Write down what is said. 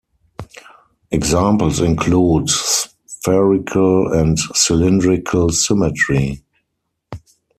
Examples include spherical and cylindrical symmetry.